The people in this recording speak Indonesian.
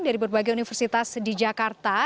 dari berbagai universitas di jakarta